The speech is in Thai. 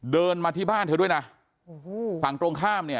เดินมาที่บ้านเธอด้วยนะโอ้โหฝั่งตรงข้ามเนี่ย